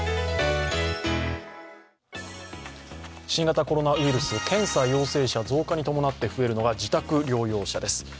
新型コロナウイルス、検査陽性者増加に伴って増えるのが自宅療養者です。